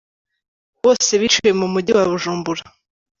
Bose biciwe mu mujyi wa Bujumbura.